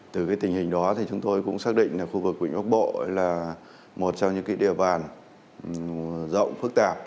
từ tình hình đó thì chúng tôi cũng xác định là khu vực vịnh bắc bộ là một trong những địa bàn rộng phức tạp